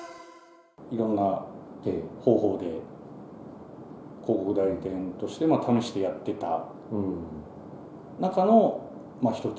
いろんな方法で、広告代理店として、試してやってた中の１つ。